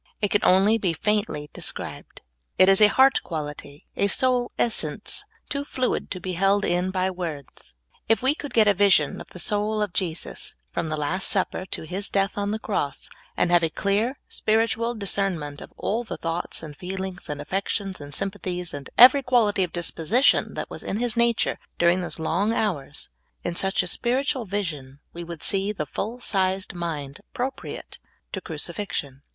It can only be faintly described. It is a heart quality, a soul essence, too fluid to be held in by words. If we could get a vision of the soul of Jesus, from the Last Supper to His death on the cross, and have a clear, spiritual discernment of all the thoughts and feel ings and affections and sympathies, and every quality of disposition that was in His nature during those long hours, in such a spiritual vision we would see the full sized niind appropriate to crucifixion.